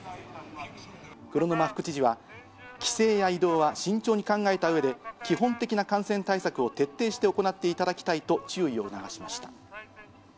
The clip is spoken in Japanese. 黒沼副知事は、帰省や移動は慎重に考えたうえで、基本的な感染対策を徹底して行っていただきたいと注意を促しました。